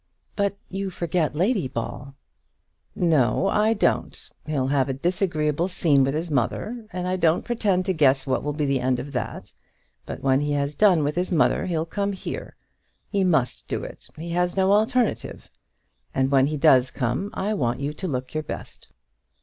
"But you forget Lady Ball." "No, I don't. He'll have a disagreeable scene with his mother, and I don't pretend to guess what will be the end of that; but when he has done with his mother, he'll come here. He must do it. He has no alternative. And when he does come, I want you to look your best.